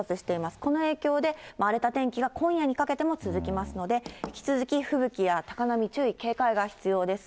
この影響で、荒れた天気が今夜にかけても続きますので、引き続き高波に注意、警戒が必要です。